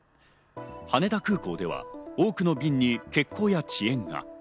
羽田空港では多くの便に欠航や遅延が。